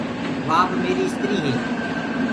وآ اب ميآريٚ استريٚ هي۔